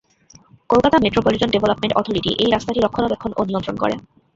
Kolkata metropolitan development authority এই রাস্তাটি রক্ষণাবেক্ষণ ও নিয়ন্ত্রণ করে।